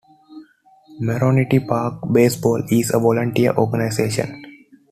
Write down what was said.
Merrionette Park Baseball is a volunteer organization.